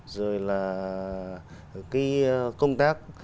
rồi là công tác